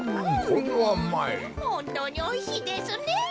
ほんとうにおいしいですねえ。